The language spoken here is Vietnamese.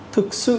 thực sự là tôi